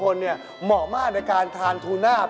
โนตีรูซตลาดไก่